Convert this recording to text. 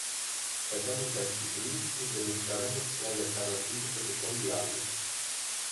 Se temos éxito nisto demostraremos que hai alternativas e que son viables.